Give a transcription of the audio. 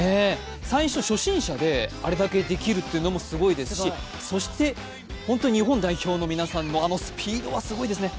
最初、初心者であれだけできるというのもすごいですしそして日本代表の皆さんのあのスピードはすごいですね。